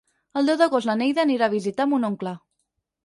El deu d'agost na Neida anirà a visitar mon oncle.